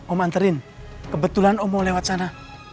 om manterin kebetulan om mau lewat sana